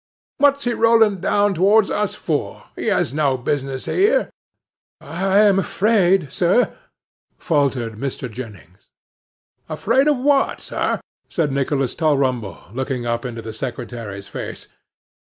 What's he rolling down towards us for? he has no business here!' 'I am afraid, sir—' faltered Mr. Jennings. 'Afraid of what, sir?' said Nicholas Tulrumble, looking up into the secretary's face.